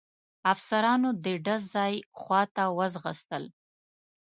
افسرانو د ډز ځای خواته وځغستل.